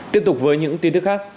tiếp tục với những tin tức khác